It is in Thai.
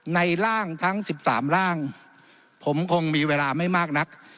ในร่างทั้งสิบสามร่างผมคงมีเวลาไม่มากนัก